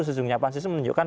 susungnya pansus menunjukkan